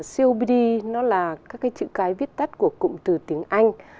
copd nó là các chữ cái viết tắt của cụm từ tiếng anh